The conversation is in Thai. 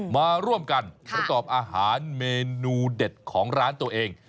มาร่วมกันประกอบอาหารเมนูเด็ดของร้านตัวเอง